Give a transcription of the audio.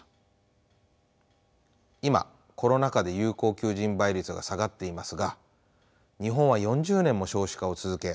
今コロナ禍で有効求人倍率が下がっていますが日本は４０年も少子化を続け